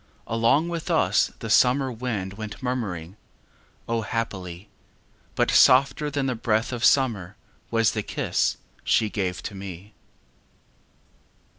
Along with us the summer wind Went murmuringâO, happily!â But softer than the breath of summer Was the kiss she gave to me.